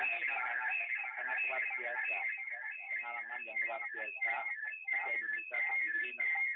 dan pada pilkada yang akan ini sangat luar biasa pengalaman yang luar biasa untuk indonesia sendiri